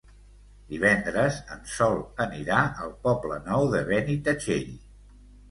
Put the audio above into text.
Divendres en Sol anirà al Poble Nou de Benitatxell.